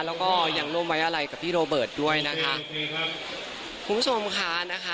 แล้วก็ยังร่วมไว้อะไรกับพี่โรเบิร์ตด้วยนะคะคุณผู้ชมค่ะนะคะ